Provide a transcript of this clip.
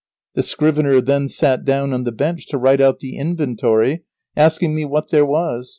The scrivener then sat down on the bench to write out the inventory, asking me what there was.